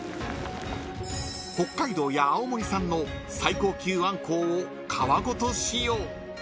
［北海道や青森産の最高級アンコウを皮ごと使用］